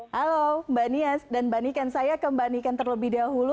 halo mbak nias dan mbak niken saya ke mbak niken terlebih dahulu